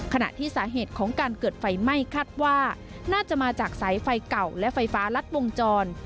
ขณะที่สาเหตุของการเกิดไฟไหม้คาดว่าน่าจะมาจากสายไฟเก่าและไฟฟ้ารัดวงจร